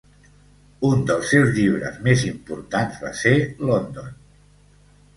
Un dels seus llibres més importants va ser "London".